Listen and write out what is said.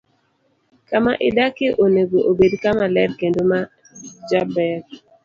Kama idakie onego obed kama ler kendo ma jaber.